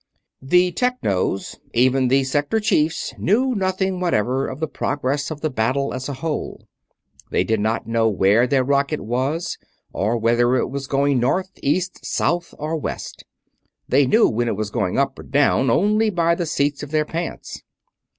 The Technos, even the Sector Chiefs, knew nothing whatever of the progress of the battle as a whole. They did not know where their rocket was, or whether it was going north, east, south, or west. They knew when it was going up or down only by the "seats of their pants."